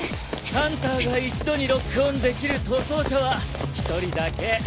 ハンターが一度にロックオンできる逃走者は一人だけ。